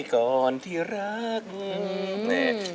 ก่อนที่รักทั้งคม